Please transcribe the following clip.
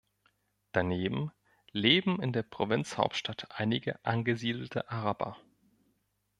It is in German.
Daneben leben in der Provinzhauptstadt einige angesiedelte Araber.